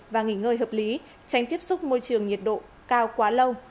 và nghỉ ngơi hợp lý tránh tiếp xúc môi trường nhiệt độ cao quá lâu